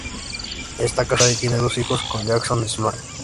Está casada y tiene dos hijos con Jason Sloane.